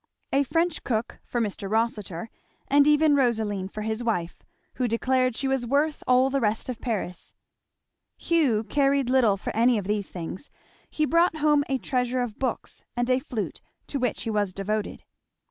A French cook for Mr. Rossitur, and even Rosaline for his wife, who declared she was worth all the rest of Paris. Hugh cared little for any of these things; he brought home a treasure of books and a flute, to which he was devoted.